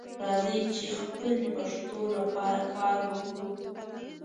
راځئ چې خپلې پښتو لپاره کار وکړو